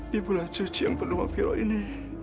di bulan suci yang penuh viral ini